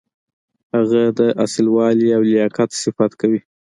د هغه د اصیل والي او لیاقت صفت کوي.